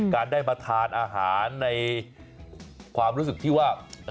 การได้มาทานอาหารในความรู้สึกที่ว่า